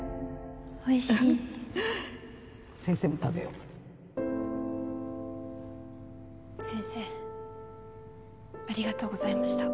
おいしいフフッ先生も食べよ先生ありがとうございました。